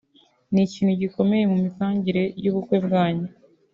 ) ni ikintu gikomeye mum mipangire yy’ubukwe bwanyu